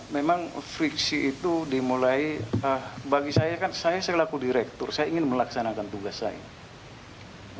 memang friksi itu dimulai bagi saya kan saya selaku direktur saya ingin melaksanakan tugas saya